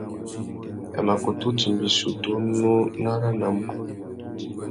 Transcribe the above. A mà kutu timba issutu unú nù aranamú.